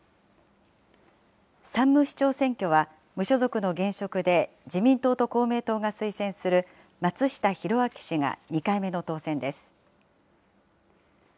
山武市長選挙は、無所属の現職で、自民党と公明党が推薦する、松下浩明氏が２回目の当選です。